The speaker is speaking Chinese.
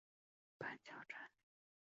板桥站的铁路车站。